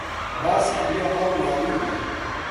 باسکی لێ هەڵماڵیوە